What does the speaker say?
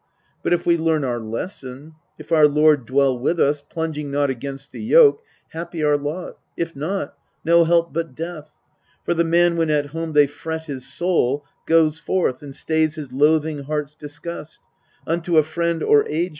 But if we learn our lesson, if our lord Dwell with us, plunging not against the yoke, Happy our lot: if not no help but death. For the man, when at home they fret his soul, Goes forth, and stays his loathing heart's disgust, Unto a friend or age mate turning him.